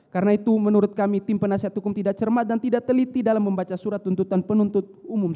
karena itu menurut kami tim penasihat hukum tidak cermat dan tidak teliti dalam membaca surat tuntutan penuntut umum